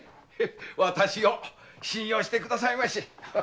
私を信用してくださいまし。